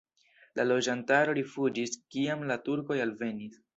La loĝantaro rifuĝis, kiam la turkoj alvenis.